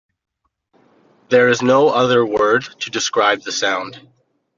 There is no other word to describe the sound.